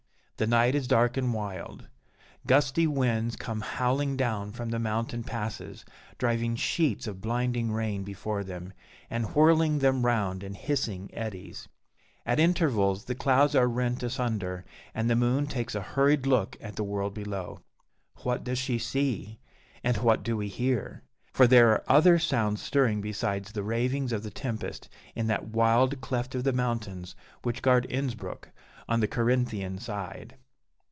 The night is dark and wild. Gusty winds come howling down from the mountain passes, driving sheets of blinding rain before them, and whirling them round in hissing eddies. At intervals the clouds are rent asunder, and the moon takes a hurried look at the world below. What does she see? and what do we hear? for there are other sounds stirring besides the ravings of the tempest, in that wild cleft of the mountains, which guard Innsbruck, on the Carinthian side.